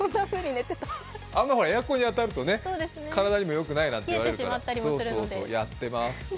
あんまエアコンに当たると体にもよくないと言われているのでやっていますね。